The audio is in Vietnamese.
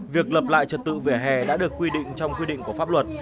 việc lập lại trật tự vỉa hè đã được quy định trong quy định của pháp luật